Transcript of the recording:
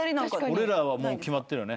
俺らは決まってるよね。